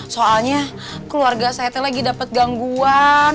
soalnya keluarga saya lagi dapat gangguan